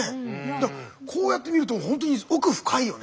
だからこうやって見ると本当に奥深いよね。